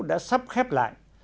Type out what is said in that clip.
đã sắp khép lại